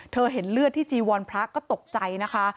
เห็นเลือดที่จีวรพระก็ตกใจนะคะ